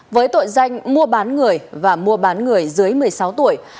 với tội danh mua bán người và mua bán người dưới một mươi sáu tuổi